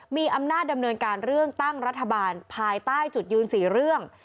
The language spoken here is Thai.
มีอำนาจดำเนินการเรื่องตั้งรัฐบาลภายใต้จุดยืน๔เรื่อง